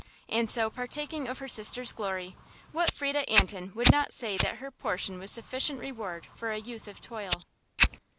And so partaking of her sister's glory, what Frieda Antin would not say that her portion was sufficient reward for a youth of toil?